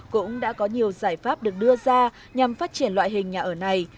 cũng đã có nhiều giải pháp được đưa ra nhằm phát triển loại hình nhà ở này